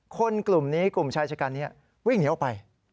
กลุ่มนี้กลุ่มชายชะกันนี้วิ่งหนีออกไป